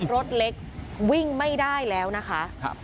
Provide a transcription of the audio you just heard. รถเล็กวิ่งไม่ได้แล้วนะคะ